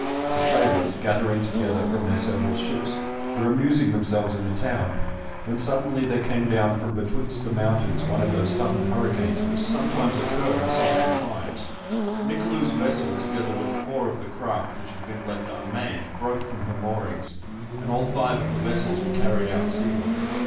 The sailors, gathering together from their several ships, were amusing themselves in the town, when suddenly there came down from betwixt the mountains one of those sudden hurricanes which sometimes occur in southern climes. Nicolou's vessel, together with four of the craft which had been left unmanned, broke from her moorings, and all five of the vessels were carried out seaward.